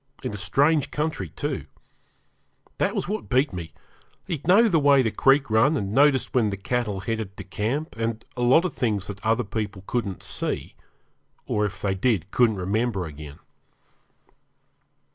In a strange country, too. That was what beat me he'd know the way the creek run, and noticed when the cattle headed to camp, and a lot of things that other people couldn't see, or if they did, couldn't remember again.